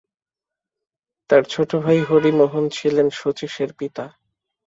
তাঁর ছোটো ভাই হরিমোহন ছিলেন শচীশের পিতা।